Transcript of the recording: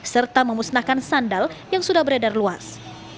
serta memusnahkan sandal yang sudah beredar luas